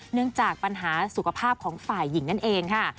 เนื่องจากปัญหาสุขภาพของฝ่ายหญิงนั่นเองค่ะ